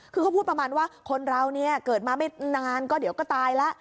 คือเขาพูดประมาณว่าคนเราเนี่ยเกิดมาไม่นานก็เดี๋ยวก็ตายแล้ว